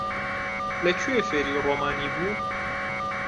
لەکوێ فێری ڕۆمانی بوو؟